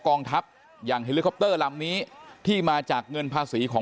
กองทัพอย่างเฮลิคอปเตอร์ลำนี้ที่มาจากเงินภาษีของ